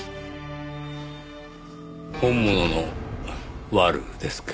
本物のワルですか。